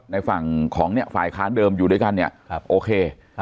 ในฝ่ายคาร์สเดิมอยู่ด้วยกันโอเค